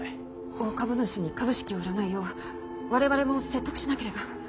大株主に株式を売らないよう我々も説得しなければ。